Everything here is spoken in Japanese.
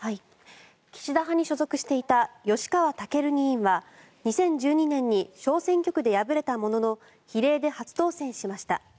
岸田派に所属していた吉川赳議員は２０１２年に小選挙区で敗れたものの比例で初当選しました。